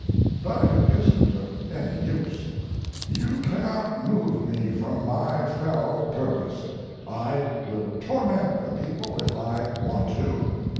But it isn't of any use. You cannot move me from my fell purpose. I will torment the people if I want to.